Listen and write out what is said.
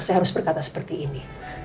saya harus berkata seperti ini